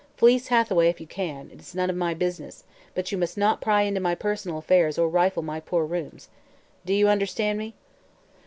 Fleece Hathaway if you can; it is none of my business; but you must not pry into my personal affairs or rifle my poor rooms. Do you understand me?"